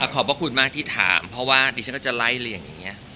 ขอบคุณมากที่ถามเพราะฉันก็จะไล่อย่างนี้